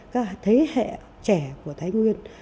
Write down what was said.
các thế hệ trẻ của thái nguyên